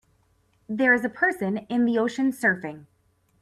There is a person in the ocean surfing.